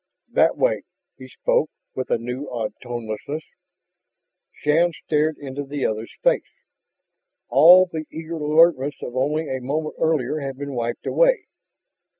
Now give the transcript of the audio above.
"That way." He spoke with a new odd tonelessness. Shann stared into the other's face. All the eager alertness of only a moment earlier had been wiped away.